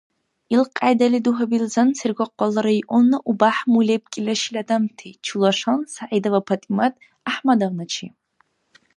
Илкьяйдали дугьабилзан Сергокъалала районна УбяхӀ МулебкӀила шила адамти чула шан СягӀидова ПатӀимат ГӀяхӀмадовначи.